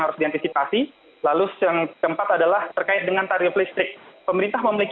rp sepuluh juta penerima